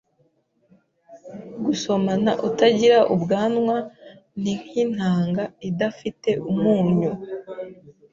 Gusomana utagira ubwanwa ni nkintanga idafite umunyu.